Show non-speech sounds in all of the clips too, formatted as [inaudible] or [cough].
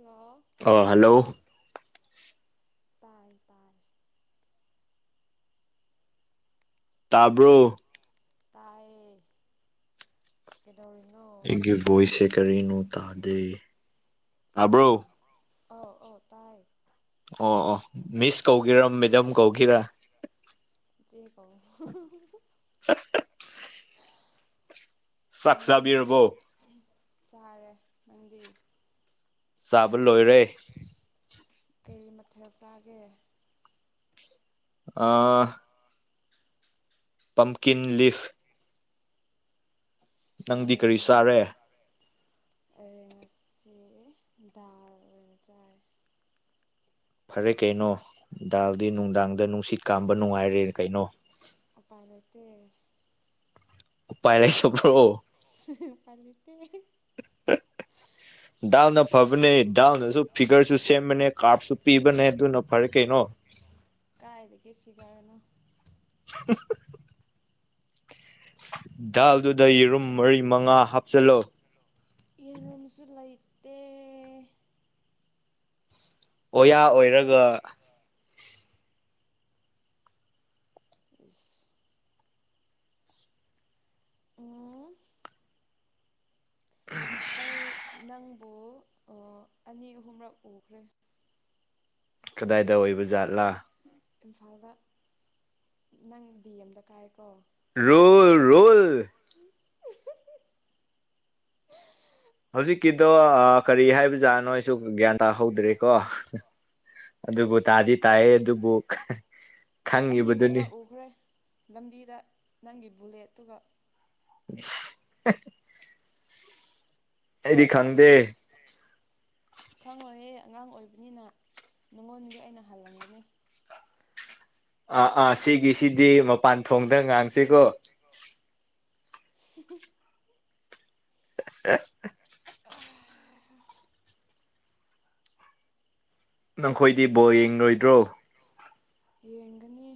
ꯑꯣ ꯑ ꯍꯂꯣ ꯇꯥꯏ ꯇꯥꯏ ꯇꯥꯕ꯭ꯔꯣ ꯇꯥꯏꯌꯦ ꯀꯗꯣꯅ ꯑꯩꯒꯤ ꯚꯣꯏꯁꯁꯦ ꯀꯔꯤꯅꯣ ꯇꯥꯗꯦ ꯇꯥꯕ꯭ꯔꯣ ꯑꯣ ꯑꯣ ꯃꯤꯁ ꯀꯧꯦꯔꯥ ꯃꯦꯗꯥ ꯀꯧꯈꯤꯦꯔꯥ ꯆꯦ ꯀꯧ [unintelligible] ꯅꯉꯣꯟꯗꯒꯤ ꯆꯥꯔꯦ ꯅꯪꯗꯤ ꯀꯩ ꯃꯊꯦꯜ ꯆꯥꯒꯦ ꯑ ꯄꯝꯀꯤꯤꯟ ꯂꯤꯐ ꯅꯪꯗꯤ ꯀꯔꯤ ꯆꯥꯔꯦ ꯔꯔꯤ ꯉꯁꯤ ꯗꯜꯖꯥꯏ ꯐꯔꯦ ꯀꯩꯅꯣ ꯗꯥꯜꯗꯤ ꯅꯨꯡꯗꯥꯡꯗ ꯅꯨꯡꯁꯤꯠ ꯀꯥꯝꯕ ꯅꯨꯡꯉꯥꯏꯔꯦ ꯀꯩꯅꯣ ꯄꯔꯠꯇ ꯄꯥꯏ ꯂꯩ ꯁ ꯄ꯭ꯔꯣ [unintelligible] ꯗꯥꯎꯅ ꯐꯕꯅꯦ ꯗꯥꯎꯟꯅꯁꯨ ꯐꯤꯒꯔꯁꯨ ꯁꯦꯝꯕꯅꯦ ꯀꯥꯔꯞꯁꯨ ꯄꯤꯕꯅꯦ ꯑꯗꯨꯅ ꯐꯔꯦ ꯀꯩꯅꯣ [unintelligible] ꯀꯁꯨꯒꯅ [unintelligible] ꯗꯥꯜꯗꯨꯗ ꯌꯦꯔꯨꯝ ꯃꯔꯤ ꯃꯉꯥ ꯌꯦꯅ ꯑꯃꯁꯁꯨ ꯂꯥꯏ ꯑꯣꯌꯥ ꯑꯣꯏꯔꯒ ꯎꯝ ꯑꯩ ꯅꯪꯕꯨ ꯑꯅꯤ ꯑꯍꯨꯝꯔꯛ ꯎꯈ꯭ꯔꯦ ꯀꯗꯥꯏꯗ ꯑꯣꯏꯕ ꯖꯥꯠꯂꯥ ꯏꯝꯐꯥꯜꯗ ꯅꯪ ꯗꯤ ꯑꯦꯝꯗ ꯀꯥꯏꯀꯣ ꯔꯣꯜ ꯔꯣꯜ ꯍꯧꯖꯤꯛꯀꯤꯗꯣ ꯀꯔꯤ ꯍꯥꯏꯕꯖꯥꯠꯅꯣ ꯑꯩꯁꯨ ꯒ꯭ꯌꯥꯟ ꯇꯥꯍꯧꯗ꯭ꯔꯦꯀꯣ ꯑꯗꯨꯕꯨ ꯇꯥꯗꯤ ꯇꯥꯏꯌꯦ ꯑꯗꯨꯕꯨ ꯈꯪꯉꯤꯕꯗꯨꯅꯤ ꯂꯝꯕꯤꯗ ꯅꯪꯒꯤ ꯕꯨꯂꯦꯠꯇꯨꯒ [unintelligible] ꯑꯩꯗꯤ ꯈꯪꯗꯦ ꯈꯪꯉꯣꯏꯍꯦ ꯑꯉꯥꯡ ꯑꯣꯏꯕꯅꯤꯅ ꯅꯪꯉꯣꯟꯒꯤ ꯑꯩꯅ ꯍꯜꯂꯝꯒꯅꯤ ꯑꯥ ꯑꯥ ꯁꯤꯒꯤꯁꯤꯗꯤ ꯃꯄꯥꯟ ꯊꯣꯡꯗ ꯉꯥꯡꯁꯤꯀꯣ [unintelligible] ꯑ ꯅꯈꯣꯏꯗꯤ ꯕꯣꯜ ꯌꯦꯡꯂꯔꯣꯏꯗ꯭ꯔꯣ ꯌꯦꯡꯒꯅꯤ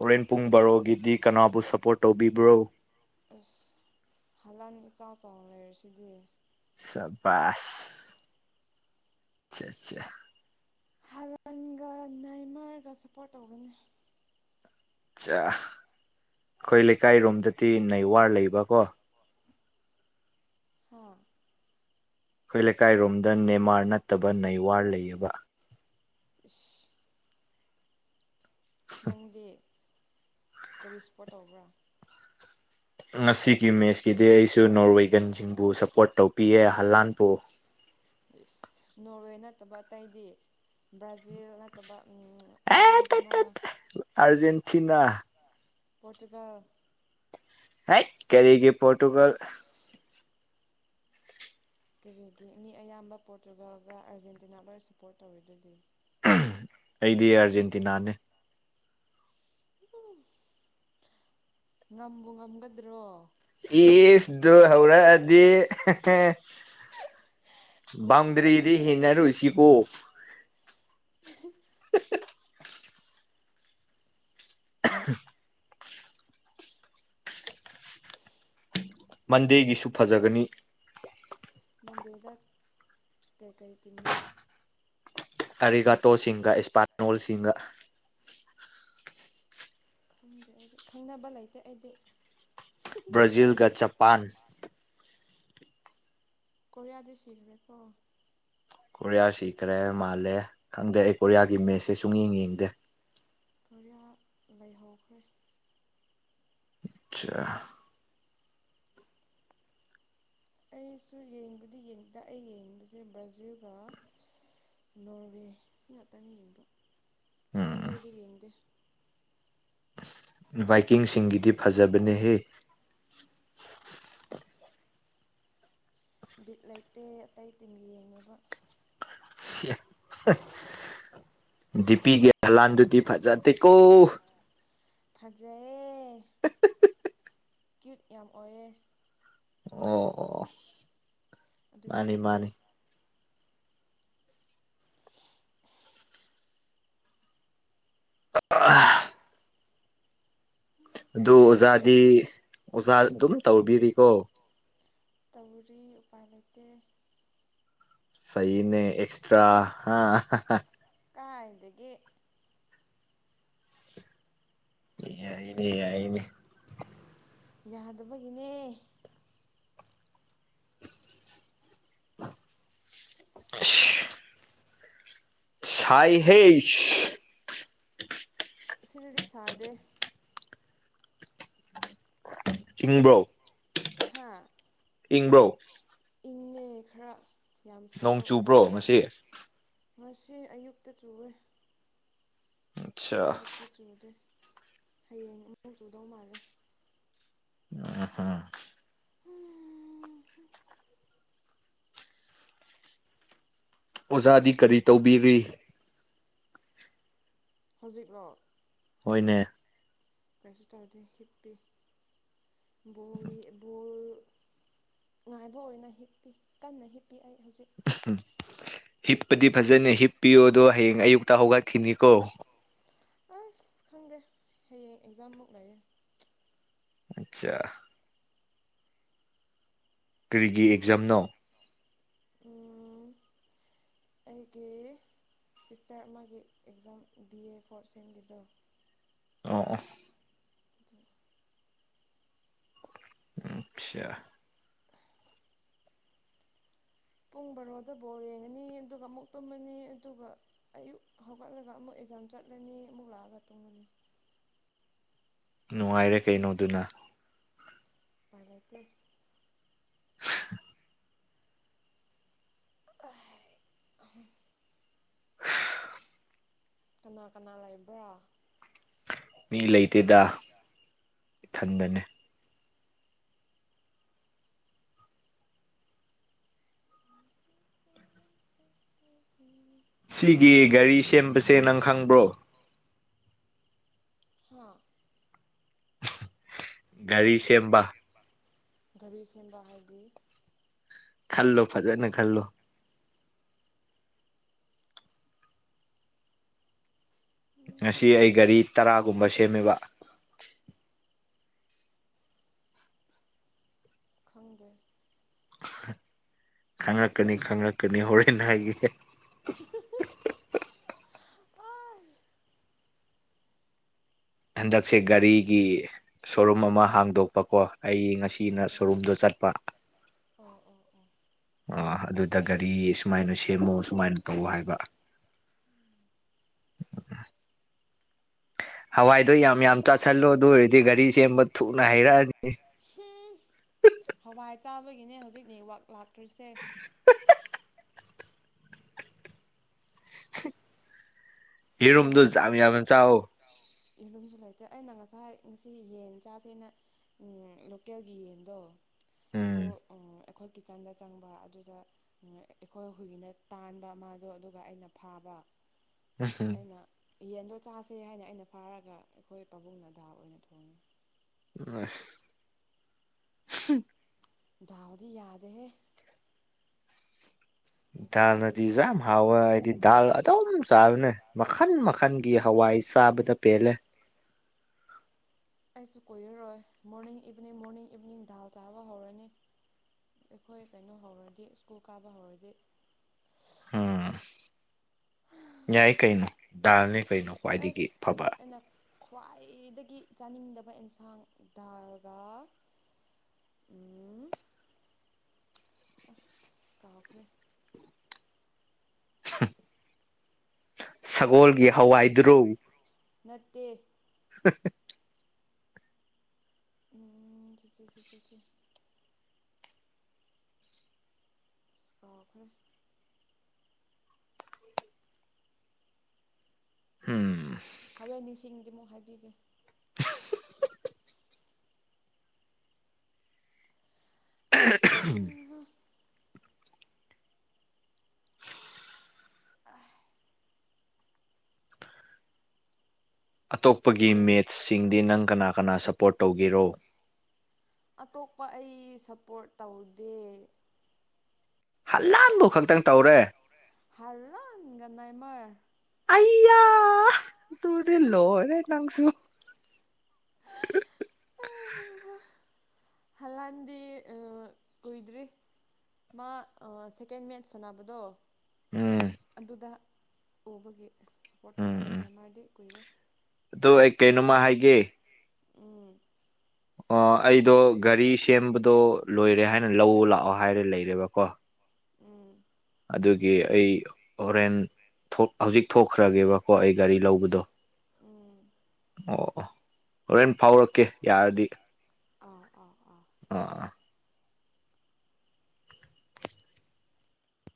ꯍꯣꯔꯦꯟ ꯄꯨꯡ ꯕꯥꯔꯣꯒꯤꯗꯤ ꯀꯅꯥꯕꯨ ꯁꯄꯣꯔꯠ ꯇꯧꯕꯤꯕ꯭ꯔꯣ ꯑꯁ ꯍꯜꯂꯛꯑꯅꯤ ꯏꯆꯥꯎ ꯆꯥꯎꯅ ꯂꯩꯔꯁꯤꯗꯤ ꯁꯕꯥꯁ ꯑꯆꯥ ꯑꯆꯥ ꯍꯂꯥꯟꯒ ꯅꯥꯏꯃꯔꯒ ꯁꯞꯄꯣꯔꯠ ꯇꯧꯒꯅꯤ ꯑꯩꯈꯣꯏ ꯂꯩꯀꯥꯏꯔꯣꯝꯗꯗꯤ ꯅꯩꯋꯥꯔ ꯂꯩꯕꯀꯣ ꯍꯥ ꯑꯩꯈꯣꯏ ꯂꯩꯀꯥꯏꯔꯣꯝꯗ ꯅꯦꯃꯥꯔ ꯅꯠꯇꯕ ꯅꯩꯋꯥꯔ ꯂꯩꯌꯦꯕ ꯏꯁ ꯅꯪꯗꯤ ꯀꯔꯤ ꯏꯁꯄꯣꯔꯠ ꯇꯧꯕ꯭ꯔꯥ ꯉꯁꯤꯒꯤ ꯃꯦꯠꯁꯀꯤꯗꯤ ꯑꯩꯁꯨ ꯅꯣꯔꯋꯦꯒꯟꯁꯤꯡꯕꯨ ꯁꯞꯄꯣꯔꯠ ꯇꯧꯕꯤꯌꯦ ꯍꯂꯥꯟꯕꯨ ꯅꯣꯔꯋꯦ ꯅꯠꯇꯕ ꯑꯇꯩꯗꯤ ꯕ꯭ꯔꯥꯖꯤ ꯕ꯭ꯔꯥꯖꯤꯜ ꯅꯠꯇꯕ ꯑꯥꯔꯖꯦꯟꯇꯤꯅꯥ ꯄꯣꯇꯨꯒꯜ ꯍꯥꯏ ꯀꯔꯤꯒꯤ ꯄꯣꯔꯇꯨꯒꯜ ꯀꯔꯤꯒꯤ ꯃꯤ ꯑꯌꯥꯝꯕ ꯄꯣꯔꯇꯨꯒꯜꯒ ꯑꯥꯔꯖꯦꯟꯇꯤꯅꯥꯒ ꯁꯞꯄꯣꯔꯠ ꯇꯧꯋꯦ ꯑꯗꯨꯗꯤ ꯑꯩꯗꯤ ꯑꯥꯔꯖꯦꯟꯇꯤꯅꯥꯅꯤ ꯉꯕꯨ ꯉꯝꯒꯗ꯭ꯔꯣ ꯏꯁꯇ ꯍꯧꯔꯛꯑꯗꯤ ꯎꯟꯗꯔꯤꯗꯤ ꯍꯤꯡꯅꯔꯨꯣꯏꯁꯤꯀꯣ [unintelligible] ꯃꯟꯗꯦꯒꯤꯁꯨ ꯐꯖꯒꯅꯤ ꯃꯦꯟꯗꯦꯗ ꯀꯩ ꯀꯩ ꯇꯤꯅꯣ ꯑꯔꯤꯒꯥꯇꯣꯁꯤꯡꯒ ꯏꯁꯄꯥꯅꯣꯜꯁꯤꯡꯒ ꯈꯪꯗꯦ ꯑꯩꯗꯤ ꯈꯪꯅꯕ ꯂꯩꯇꯦ ꯑꯩꯗꯤ ꯕ꯭ꯔꯥꯖꯤꯜꯒ ꯖꯄꯥꯟ ꯀꯣꯔꯤꯌꯥꯗꯤ ꯁꯤꯒ꯭ꯔꯦꯀꯣ ꯀꯣꯔꯤꯌꯥ ꯁꯤꯈ꯭ꯔꯦ ꯃꯥꯜꯂꯦ ꯈꯪꯗꯦ ꯑꯩ ꯀꯣꯔꯤꯌꯥꯒꯤ ꯃꯦꯠꯁꯁꯦ ꯁꯨꯡꯌꯦꯡ ꯌꯦꯡꯗꯦ ꯔꯤꯌꯥ ꯂꯩꯍꯧꯈ꯭ꯔꯦ ꯑꯆꯥ ꯑꯩꯁꯨ ꯌꯦꯡꯕꯗꯤ ꯌꯦꯡꯗ ꯑꯩ ꯌꯦꯡꯕꯁꯦ ꯕ꯭ꯔꯖꯤꯌꯒ ꯅꯣꯔꯋꯦ ꯁꯤ ꯉꯥꯛꯇꯪꯅꯤ ꯌꯦꯡꯕ ꯑꯇꯩꯗꯤ ꯌꯦꯡꯗꯦ ꯕꯥꯏꯛꯀꯤꯡꯁꯤꯡꯒꯤꯗꯤ ꯐꯖꯕꯅꯦꯍꯦ ꯕꯤꯠ ꯂꯩꯇꯦ ꯑꯇꯩ ꯇꯝ ꯌꯦꯡꯅꯕ ꯑꯦ [inaudible] ꯗꯤꯄꯤꯤꯒꯤ ꯍꯂꯥꯟꯗꯨꯗꯤ ꯐꯖ ꯇꯦꯀꯣ ꯊꯖꯦꯌꯦ ꯀ꯭ꯌꯨꯠ ꯌꯥꯝ ꯑꯣꯏꯑꯦ ꯑꯣ ꯑꯗꯨꯒꯤ ꯊꯝꯕꯅꯤ ꯑ ꯑ [inaudible] ꯑꯗꯨ ꯑꯣꯖꯥꯗꯤ ꯑꯣꯖꯥ ꯑꯗꯨꯝ ꯇꯧꯕꯤꯔꯤꯀꯣ ꯇꯧꯔꯤ ꯎꯄꯥꯏ ꯂꯩꯇꯦ ꯐꯩꯅꯦ ꯑꯦꯛꯁꯇ꯭ꯔꯥ ꯀꯥꯏꯗꯒꯤ ꯑꯦ ꯌꯥꯏꯅꯦ ꯌꯥꯏꯅꯦ ꯌꯥꯗꯕꯒꯤꯅꯦ ꯑ [inaudible] ꯁꯥꯏ ꯍꯦꯁ ꯆꯪꯕ꯭ꯔꯣ ꯍꯥꯥ ꯏꯪꯕ꯭ꯔꯣ ꯏꯪꯅꯦ ꯈꯔ ꯅꯣꯡ ꯆꯨꯕ꯭ꯔꯣ ꯉꯁꯤ ꯉꯁꯤ ꯑꯌꯨꯛꯇ ꯆꯨꯔꯦ ꯍꯧꯖꯤꯛꯇꯤ ꯆꯨꯗꯦ ꯍꯌꯦꯡ ꯑꯃꯨ ꯆꯨꯗꯧ ꯃꯥꯜꯂꯦ ꯑ ꯍ [inaudible] ꯑꯣꯖꯥꯗꯤ ꯀꯔꯤ ꯇꯧꯕꯤꯔꯤ ꯍꯧꯖꯤꯛꯂꯣ ꯍꯣꯏꯅꯦ ꯀꯔꯤꯁꯨ ꯇꯧꯗꯦ ꯍꯤꯞꯄꯤ ꯕꯣꯜꯒꯤ ꯕꯣꯜ ꯉꯥꯏꯕ ꯑꯣꯏꯅ ꯍꯤꯞꯄꯤ ꯀꯟꯅ ꯍꯤꯞꯄꯤ ꯑꯩ ꯍꯧꯖꯤꯛ ꯍꯤꯞꯄꯗꯤ ꯐꯖꯅꯤ ꯍꯤꯞꯄꯤꯌꯣꯗꯣ ꯍꯌꯦꯡ ꯑꯌꯨꯛꯇ ꯍꯧꯒꯠꯈꯤꯅꯤꯀꯣ ꯑꯁ ꯈꯪꯗꯦ ꯍꯌꯦꯌꯦꯡ ꯑꯦꯛꯖꯥꯝꯃꯨꯛ ꯂꯏ ꯑꯆꯥ ꯀꯔꯤꯒꯤ ꯑꯦꯛꯖꯥꯝꯅꯣ [unintelligible] [inaudible] ꯑꯩꯒꯤ ꯁꯤꯁꯇꯔ ꯃꯥ ꯑꯦꯛꯖꯥꯝ ꯕꯤ ꯑꯦ ꯐꯣꯔꯠ ꯁꯦꯟꯒꯤꯗ ꯑ [inaudible] ꯑꯆꯥ ꯎ [inaudible] ꯕꯣꯔꯣꯗ ꯕꯣꯔ ꯌꯦꯡꯉꯅꯤ ꯑꯗꯨꯒ ꯑꯃꯨꯛ ꯇꯨꯝꯃꯅꯤ ꯑꯗꯨꯒ ꯑꯌꯨꯛ ꯍꯧꯒꯠꯂꯒ ꯑꯃꯨꯛ ꯑꯦꯛꯖꯥꯝ ꯆꯠꯂ ꯅꯤ ꯃꯣꯥ ꯑꯕꯔ ꯇ [unintelligible] [inaudible] ꯅꯨꯡꯉꯥꯏꯔꯦ ꯀꯩꯅꯣꯗꯨꯅ ꯐꯂꯛꯇꯦ [unintelligible] [inaudible] [unintelligible] [inaudible] ꯀꯅꯥ ꯀꯅꯥ ꯂꯩꯕ꯭ꯔꯣ ꯃꯤ ꯂꯩꯇꯦꯗ ꯏꯊꯟꯗꯅꯦ ꯁꯤꯒꯤ ꯒꯥꯔꯤ ꯁꯦꯝꯕꯁꯦ ꯅꯪ ꯈꯪꯕ꯭ꯔꯣ ꯍ ꯒꯥꯔꯤ ꯁꯦꯝꯕ ꯔꯤ ꯁꯦꯝꯕ ꯍꯥꯏꯗꯤ ꯈꯜꯂꯣ ꯐꯖꯅꯅꯦ ꯈꯜꯂꯣ ꯉꯁꯤ ꯑꯩ ꯒꯥꯔꯤ ꯇꯔꯥꯒꯨꯝꯕ ꯁꯦꯝꯃꯤꯕ ꯈꯪꯗꯦ ꯈꯪꯪꯂꯛꯀꯅꯤ ꯈꯪꯂꯛꯀꯅꯤ ꯍꯣꯔꯦꯟ ꯍꯥꯏꯒꯦ ꯍꯟꯗꯛꯁꯦ ꯒꯥꯔꯤꯒꯤ ꯁꯣꯔꯨꯝ ꯑꯃ ꯍꯥꯡꯗꯣꯛꯄꯀꯣ ꯑꯩ ꯉꯁꯤꯅ ꯁꯣꯔꯨꯝꯗꯣ ꯆꯠꯄ ꯑꯥ ꯑꯗꯨꯗ ꯒꯥꯔꯤ ꯁꯨꯃꯥꯏꯅ ꯁꯦꯝꯃꯣ ꯁꯨꯃꯥꯏꯅ ꯇꯧꯑꯣ ꯍꯥꯏꯕ ꯍꯋꯥ ꯑꯗꯨ ꯌꯥꯝ ꯆꯥꯥꯁꯜꯂꯣ ꯑꯗꯨ ꯑꯣꯏꯔꯗꯤ ꯒꯥꯔꯤ ꯁꯦꯝꯕ ꯊꯨꯅ ꯍꯩꯔꯛꯑꯅꯤ ꯍꯋꯥꯏ ꯆꯥꯕꯒꯤꯅꯦ ꯍꯧꯖꯤꯛ ꯅꯦꯠꯋꯥꯛ ꯂꯥꯛꯇ꯭ꯔꯤꯁꯦ ꯍꯔꯝꯗꯁ ꯆ ꯌꯦ ꯑꯗꯨꯨꯝꯁꯨ ꯂꯩꯇꯦ ꯑꯩꯅ ꯉꯁꯥꯏ ꯉꯁꯤ ꯌꯦꯟ ꯆꯥꯁꯦꯅ ꯂꯣꯀꯦꯜꯒꯤ ꯌꯦꯟꯗꯣ ꯑꯗꯣ ꯑꯩꯈꯣꯏ ꯀꯤꯠꯆꯟꯗ ꯆꯪꯕ ꯑꯗꯨꯗ ꯑꯩꯈꯣꯏ ꯍꯨꯏꯒꯤꯅ ꯇꯥꯟꯕ ꯃꯥ ꯑꯗꯣ ꯑꯗꯨꯒ ꯑꯩꯅ ꯐꯥꯕ ꯑꯩꯅ ꯌꯦꯟꯗꯣ ꯆꯥꯁꯦ ꯍꯥꯏꯅ ꯑꯩꯅ ꯐꯥꯔꯒ ꯑꯩꯈꯣꯏ ꯄꯥꯕꯨꯡꯅ ꯗꯥ ꯑꯣꯏꯅ ꯊꯣꯡꯉꯤ ꯑ ꯗꯥꯎꯔꯤ ꯌꯥꯗ ꯍꯦ ꯗꯥꯜꯅꯗꯤ ꯌꯥꯝ ꯍꯥꯎꯋꯦ ꯍꯥꯏꯗꯤ ꯗꯥꯜ ꯑꯗꯨꯝ ꯆꯥꯕꯅꯦ ꯃꯈꯟ ꯃꯈꯜꯒꯤ ꯍꯋꯥꯏ ꯄꯁꯥꯕꯗ ꯄꯦꯂ ꯑꯩꯁꯨ ꯀꯨꯏꯔꯔꯣꯏ ꯃꯣꯔꯅꯤꯡ ꯏꯚꯤꯅꯤꯡ ꯃꯣꯔꯅꯤꯡ ꯏꯚꯤꯅꯤꯡ ꯗꯥꯥꯜ ꯆꯥꯕ ꯍꯧꯔꯅꯤ ꯑꯩꯈꯣꯏ ꯀꯩꯅꯣ ꯍꯧꯔꯗꯤ ꯁ꯭ꯀꯨꯜ ꯀꯥꯕ ꯍꯧꯔꯗꯤ ꯑꯥ ꯌꯥꯏ ꯀꯩꯅꯣ ꯗꯥꯔꯅꯤ ꯀꯩꯅꯣ ꯈ꯭ꯋꯥꯏꯗꯒꯤ ꯐꯕ ꯈ꯭ꯋꯥꯏꯗꯒꯤ ꯆꯥꯅꯤꯡꯗꯕ ꯑꯦꯟꯁꯥꯡ ꯊꯔꯒ [unintelligible] ꯑꯁ ꯀꯥꯎꯈ꯭ꯔ ꯁꯒꯣꯜꯒꯤ ꯍꯋꯥꯏꯗꯨ꯭ꯔꯨ ꯅꯠꯇꯦ [unintelligible] ꯎꯝ ꯆꯀꯈ ꯎꯝ ꯍꯔꯦꯟ ꯅꯤꯡꯁꯤꯡꯗꯤꯃꯨꯛ ꯍꯥꯏꯕꯤꯒꯦ ꯑꯇꯣꯞꯄꯒꯤ ꯃꯦꯠꯁꯁꯤꯡꯗꯤ ꯅꯪ ꯀꯅꯥ ꯀꯅꯥ ꯁꯄꯣꯔꯠ ꯇꯧꯒꯦꯔꯣ ꯑꯇꯣꯞꯄ ꯑꯩ ꯁꯞꯄꯣꯔꯠ ꯇꯧꯗꯦ ꯍꯜꯂꯥꯟꯕꯨ ꯈꯛꯇꯪ ꯇꯧꯔꯦ ꯍꯜ ꯂꯒꯥꯟꯥꯏꯃꯔ ꯑꯌꯥ ꯇꯨꯗꯤ ꯂꯔꯦ ꯂꯪꯁꯨ [unintelligible] ꯍꯜꯂꯗꯤ ꯑ ꯀꯣꯏꯗ꯭ꯔꯤ ꯃꯥ ꯁꯦꯀꯦꯟ ꯃꯦꯠꯆ ꯁꯅꯕꯗꯣ ꯑꯗꯨꯗ ꯎꯕꯒꯤ ꯁꯞꯄꯣꯔꯠ ꯇꯧꯕꯅꯦ ꯅꯦꯝꯃꯔꯗꯤ ꯀꯨꯏꯔꯦ ꯑꯗꯨ ꯑꯩ ꯀꯩꯅꯣꯃ ꯍꯥꯏꯒꯦ ꯑꯣ ꯑꯩꯗꯣ ꯒꯥꯔꯤ ꯁꯦꯝꯕꯗꯣ ꯂꯣꯏꯔꯦ ꯍꯥꯏꯅ ꯂꯧ ꯂꯥꯛꯑꯣ ꯍꯥꯏꯔꯦ ꯂꯩꯔꯦꯕꯀꯣ ꯑꯗꯨꯒꯤ ꯑꯩ ꯍꯣꯔꯦꯟ ꯍꯧꯖꯤꯛ ꯊꯣꯛꯈ꯭ꯔꯒꯦꯕꯀꯣ ꯑꯩ ꯒꯥꯔꯤ ꯂꯧꯕꯗꯣ ꯑꯣ ꯑꯣ ꯍꯣꯔꯦꯟ ꯐꯥꯎꯔꯛꯀꯦ ꯌꯥꯔꯗꯤ ꯑꯣ ꯑꯣ ꯑꯣ ꯑ